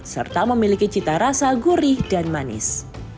serta memiliki cita rasa gurih dan manis